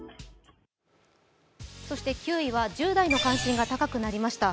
そして９位は１０代の関心が高くなりました。